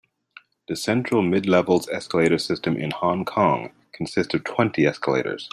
The Central-Midlevels escalator system in Hong Kong consists of twenty escalators.